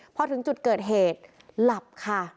พอถึงจุดเกิดเหตุหลับค่ะ